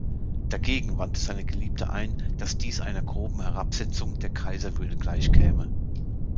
Dagegen wandte seine Geliebte ein, dass dies einer groben Herabsetzung der Kaiserwürde gleichkäme.